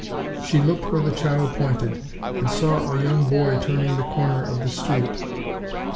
She looked where the child pointed, and saw a young boy turning the corner of the street.